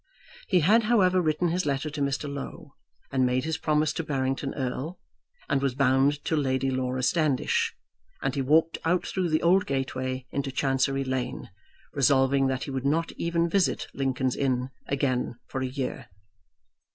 He had however written his letter to Mr. Low, and made his promise to Barrington Erle, and was bound to Lady Laura Standish; and he walked out through the old gateway into Chancery Lane, resolving that he would not even visit Lincoln's Inn again for a year.